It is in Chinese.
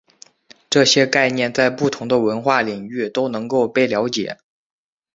这些概念在不同的文化领域都能够被了解。